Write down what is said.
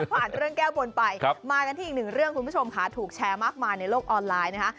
ผ่านเรื่องแก้บนไปมากันที่อีกหนึ่งเรื่องคุณผู้ชมค่ะถูกแชร์มากมายในโลกออนไลน์นะคะ